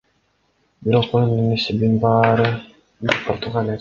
Бирок оюндун эсебин баары бир Португалия ачты.